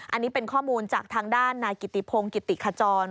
อันนี้เป็นข้อมูลจากทางด้านนายกิติพงศ์กิติขจร